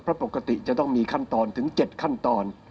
เพราะปกติจะต้องมีขั้นตอนถึง๗ขั้นตอน